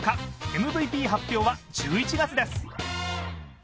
ＭＶＰ発表は１１月です。